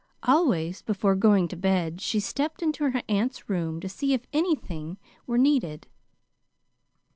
Always before going to bed she stepped into her aunt's room to see if anything were needed.